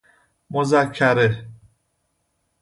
مذکره